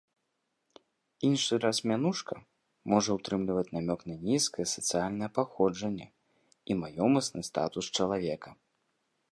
Іншы раз мянушка можа ўтрымліваць намёк на нізкае сацыяльнае паходжанне і маёмасны статус чалавека.